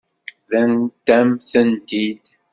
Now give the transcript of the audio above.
Rrant-am-tent-id.